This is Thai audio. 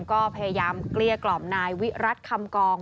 ก็พยายามเกลี้ยกล่อมนายวิรัติคำกอง